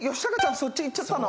そっち行っちゃったの？